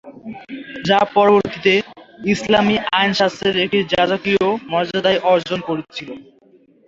যা পরবর্তীতে ইসলামী আইনশাস্ত্রে একটি যাজকীয় মর্যাদা অর্জন করেছিল।